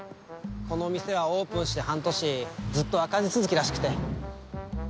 この店はオープンして半年ずっと赤字続きらしくて。